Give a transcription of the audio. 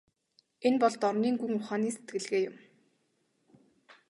Энэ бол дорнын гүн ухааны сэтгэлгээ юм.